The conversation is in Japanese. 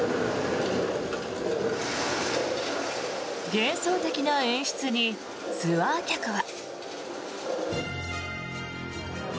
幻想的な演出にツアー客は。